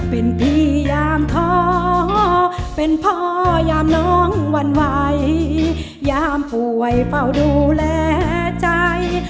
เป็นพี่ยามท้อเป็นพ่อยามน้องหวั่นไหวยามป่วยเฝ้าดูแลใจ